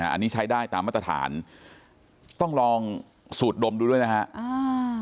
อันนี้ใช้ได้ตามมาตรฐานต้องลองสูดดมดูด้วยนะฮะ